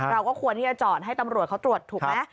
เราก็ควรที่จะจอดให้ตำรวจเขาตรวจถูกไหม